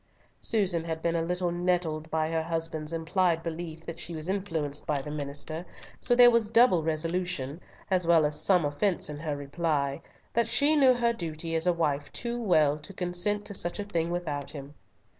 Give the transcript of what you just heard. Susan had been a little nettled by her husband's implied belief that she was influenced by the minister, so there was double resolution, as well as some offence in her reply, that she knew her duty as a wife too well to consent to such a thing without him.